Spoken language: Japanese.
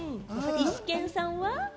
イシケンさんは？